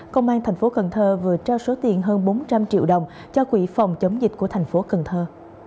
công an thành phố cần thơ vừa trao số tiền hơn bốn trăm linh triệu đồng cho quỹ phòng chống dịch của thành phố cần thơ